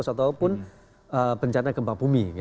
atau satupun bencana gempa bumi